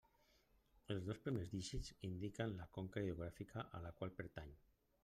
Els dos primers dígits indiquen la conca hidrogràfica a la qual pertany.